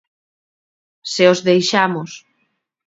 Se os deixamos.